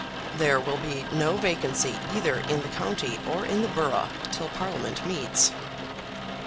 "There will be no vacancy either in the county or in the borough till Parliament meets."